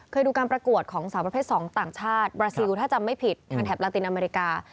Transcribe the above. ดูการประกวดของสาวประเภท๒ต่างชาติบราซิลถ้าจำไม่ผิดทางแถบลาตินอเมริกา